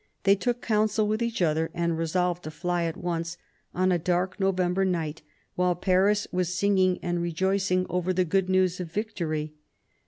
They took counsel with each other and resolved to fly, at once, on a dark November night, while Paris was singing and rejoicing over the good news of victory.